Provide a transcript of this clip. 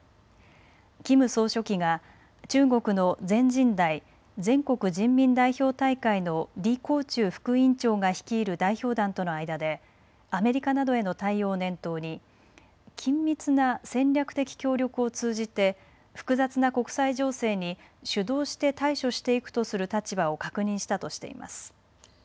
キム総書記が中国の全人代・全国人民代表大会の李鴻忠副委員長が率いる代表団との間でアメリカなどへの対応を念頭に緊密な戦略的協力を通じて複雑な国際情勢に主導して対処していくとする立場を確認したとしています。